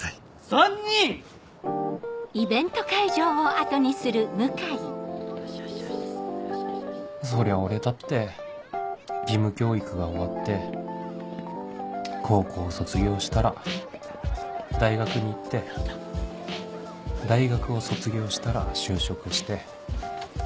３人⁉そりゃ俺だって義務教育が終わって高校卒業したら大学に行って大学を卒業したら就職して